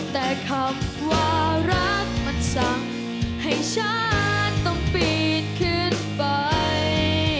แต่คำว่ารักมันสั่งให้ฉันต้องปีนขึ้นไป